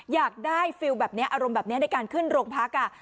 อยากได้ฟิลล์แบบนี้อารมณ์แบบนี้ในการขึ้นโรงพัก